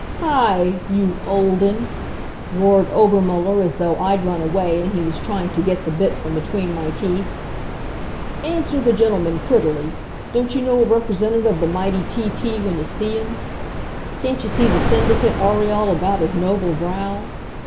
"Hi you, Olden!" roared Obermuller, as though I'd run away and he was trying to get the bit from between my teeth. "Answer the gentleman prettily. Don't you know a representative of the mighty T. T. when you see him? Can't you see the Syndicate aureole about his noble brow?